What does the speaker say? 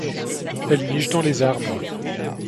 Elle niche dans les arbres.